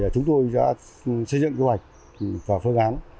chúng tôi đã xây dựng kế hoạch và phương án